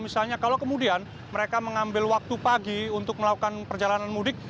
misalnya kalau kemudian mereka mengambil waktu pagi untuk melakukan perjalanan mudik